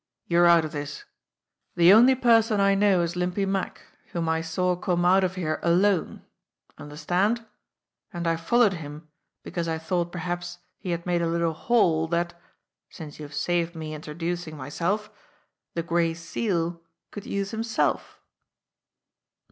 You're out of this. The only person I know is Limpy Mack, whom I saw come out of here alone understand? and I followed him be cause I thought perhaps he had made a little haul that since you've saved me introducing myself the Gray Seal could use himself."